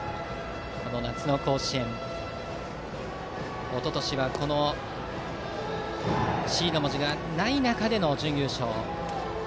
この夏の甲子園、おととしはＣの文字がない中での準優勝。